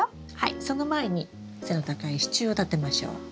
その前に背の高い支柱を立てましょう。